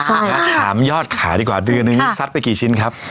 ถามยอดขายดีกว่าเดือนนึงซัดไปกี่ชิ้นครับ